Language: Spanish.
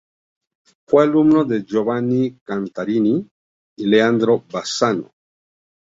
Fue alumno de Giovanni Contarini y Leandro Bassano.